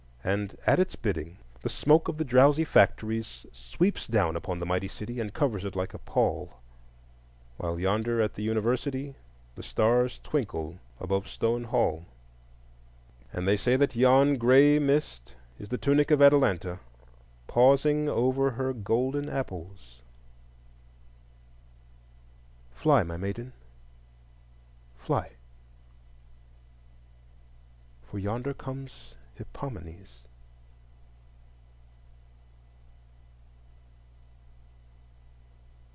And at its bidding, the smoke of the drowsy factories sweeps down upon the mighty city and covers it like a pall, while yonder at the University the stars twinkle above Stone Hall. And they say that yon gray mist is the tunic of Atalanta pausing over her golden apples. Fly, my maiden, fly, for yonder comes Hippomenes!